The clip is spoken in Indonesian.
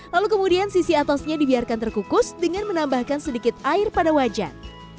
lalu kemudian sisi atasnya dibiarkan terkukus dengan menambahkan sedikit air pada wajan